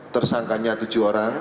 tersangkanya tujuh orang